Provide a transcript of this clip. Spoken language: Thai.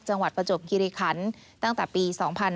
จังหวัดประจบคิริขันฯตั้งแต่ปี๒๕๔๕